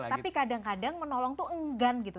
tapi kadang kadang menolong itu enggak gitu